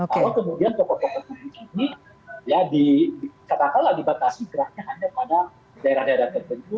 kalau kemudian tokoh tokoh tinggi ini ya dikatakanlah dibatasi geraknya hanya pada daerah daerah tertentu